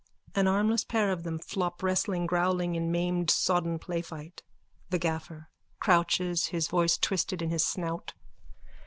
An armless pair of them flop wrestling, growling, in maimed sodden playfight.)_ THE GAFFER: _(Crouches, his voice twisted in his snout.)